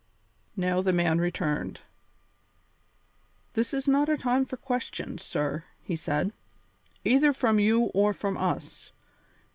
Now the man returned. "This is not a time for questions, sir," he said, "either from you or from us.